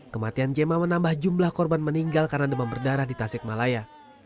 kematian jema menambah jumlah korban meninggal karena demam berdarah di tasikmalaya